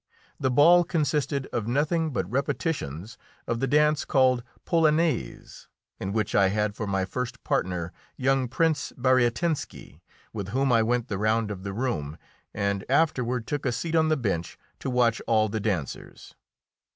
The ball consisted of nothing but repetitions of the dance called "polonaise," in which I had for my first partner young Prince Bariatinski, with whom I went the round of the room and afterward took a seat on the bench to watch all the dancers.